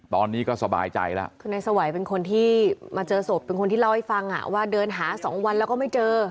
ตอนนี้ก็สบายใจแล้วคือนายสวัยเป็นคนที่มาเจอศพเป็นคนที่เล่าให้ฟังอ่ะว่าเดินหาสองวันแล้วก็ไม่เจอ